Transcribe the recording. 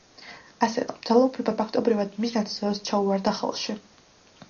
ასე რომ, ძალაუფლება ფაქტობრივად მის ნათესავებს ჩაუვარდა ხელში.